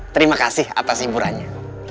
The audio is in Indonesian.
terima kasih atas hiburannya